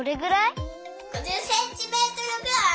５０センチメートルくらいあるよ。